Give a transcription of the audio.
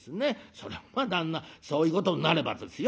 そりゃまあ旦那そういうことになればですよ